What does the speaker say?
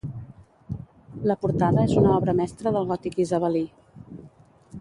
La portada és una obra mestra del gòtic isabelí.